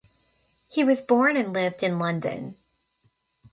He was born and lived in London.